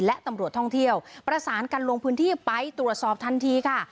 และตำรวจท่องเที่ยวประสานกันลงพื้นที่ไปตรวจสอบทันทีค่ะ